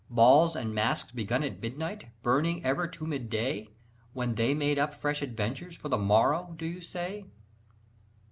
Balls and masks begun at midnight, burning ever to mid day, When they made up fresh adventures for the morrow, do you say?